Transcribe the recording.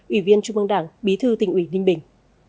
ủy viên trung mương đảng bí thư tỉnh ủy ninh bình